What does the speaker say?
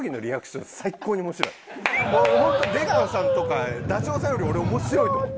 ホント出川さんとかダチョウさんより俺面白いと思う。